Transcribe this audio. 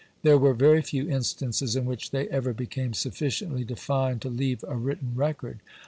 There were very few instances in which they ever became sufficiently defined to leave a wiltten record.